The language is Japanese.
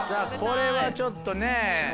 これはちょっとね